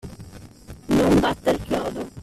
Non batter chiodo.